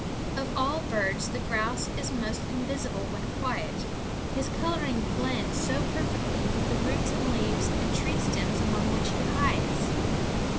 Of all birds the grouse is most invisible when quiet, his coloring blends so perfectly with the roots and leaves and tree stems among which he hides.